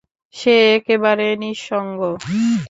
সে একেবারে নিসঙ্গ।